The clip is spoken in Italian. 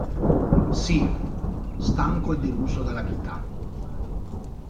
Sì, stanco e deluso dalla vita.